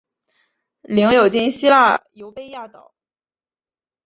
领有今希腊优卑亚岛。